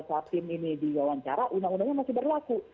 team ini diwawancara undang undangnya masih berlaku